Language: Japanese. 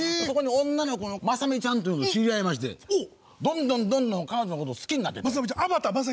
そこに女の子のまさみちゃんと知り合いましてどんどんどんどん彼女のこと好きになってった。